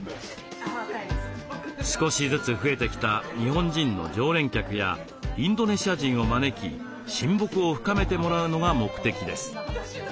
少しずつ増えてきた日本人の常連客やインドネシア人を招き親睦を深めてもらうのが目的です。